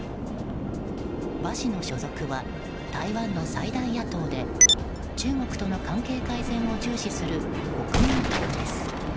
馬氏の所属は台湾の最大野党で中国との関係改善を重視する国民党です。